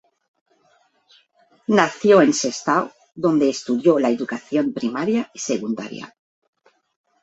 Nació en Sestao, donde estudió la educación primaria y secundaria.